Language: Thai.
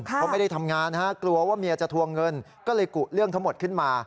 เขาไม่ได้ทำงานกลัวว่าเมียจะทวงเงินก็เลยกุเรื่องทั้งหมดขึ้นมา